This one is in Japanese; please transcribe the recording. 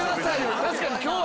確かに今日は。